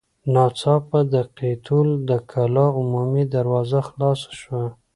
ناڅاپه د قيتول د کلا عمومي دروازه خلاصه شوه.